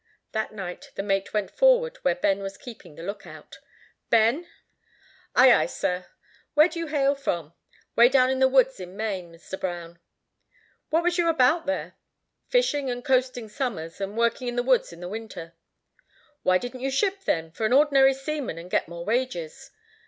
That night the mate went forward where Ben was keeping the lookout. "Ben!" "Ay, ay, sir." "Where do you hail from?" "Way down in the woods in Maine, Mr. Brown." "What was you about there?" "Fishing and coasting summers, and working in the woods in the winter." "Why didn't you ship, then, for an ordinary seaman, and get more wages?"